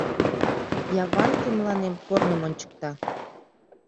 Яванке мыланем корным ончыкта.